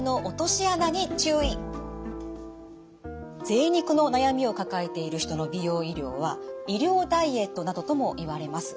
ぜい肉の悩みを抱えている人の美容医療は医療ダイエットなどともいわれます。